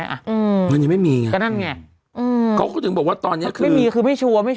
อืมมันยังไม่มีไงก็นั่นไงอืมเขาก็ถึงบอกว่าตอนเนี้ยคือไม่มีคือไม่ชัวร์ไม่ช